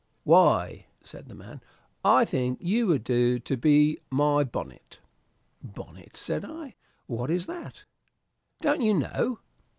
"Why," said the man, "I think you would do to be my bonnet." "Bonnet," said I; "what is that?" "Don't you know?